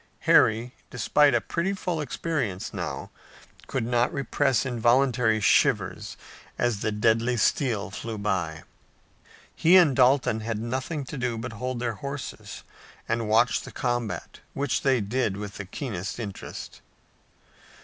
Harry, despite a pretty full experience now, could not repress involuntary shivers as the deadly steel flew by. He and Dalton had nothing to do but hold their horses and watch the combat, which they did with the keenest interest.